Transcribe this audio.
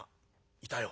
いたよ。